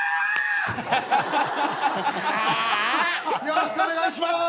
よろしくお願いします。